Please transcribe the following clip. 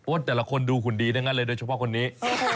ว่าแต่ละคนดูคุณดีด้วยงั้นเลยโดยเฉพาะคนนี้